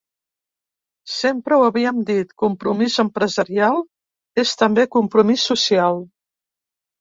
Sempre ho havíem dit: compromís empresarial és també compromís social.